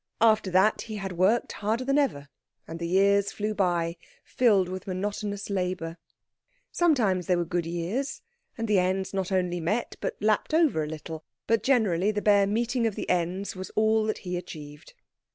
After that he had worked harder than ever; and the years flew by, filled with monotonous labour. Sometimes they were good years, and the ends not only met but lapped over a little; but generally the bare meeting of the ends was all that he achieved.